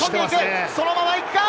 そのまま行くか？